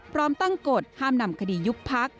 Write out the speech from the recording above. พร้อมตั้งกฎห้ามนำคดียุบพัก